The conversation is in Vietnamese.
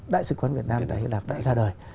đại sứ quán việt nam tại hy lạp đã ra đời